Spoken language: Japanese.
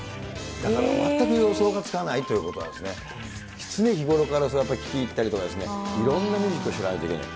だから全く予想がつかないということがね、常日頃からそうやって聞いたりとか、いろんなミュージックを知らないといけない。